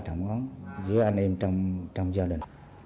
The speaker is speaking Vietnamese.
với anh em trong gia đình